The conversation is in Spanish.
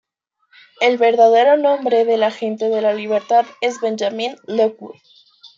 El verdadero nombre del Agente de la Libertad es Benjamin Lockwood.